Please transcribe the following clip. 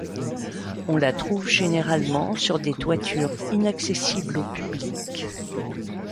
On la trouve généralement sur des toitures inaccessibles au public.